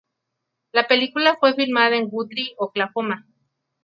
La película fue filmada en Guthrie, Oklahoma.